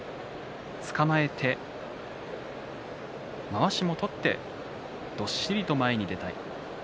つかまえてまわしを取ってどっしりと前に出たい。